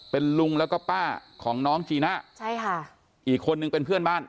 เป็นลุงแล้วก็ป้าของน้องจีน่าใช่ค่ะอีกคนนึงเป็นเพื่อนบ้าน